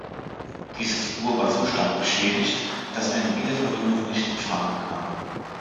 Diese Figur war so stark beschädigt, dass eine Wiederverwendung nicht in Frage kam.